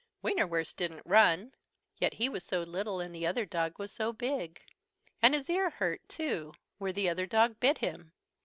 Wienerwurst didn't run. Yet he was so little and the other dog was so big. And his ear hurt too, where the other dog bit him.